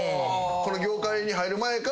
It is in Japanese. この業界に入る前から？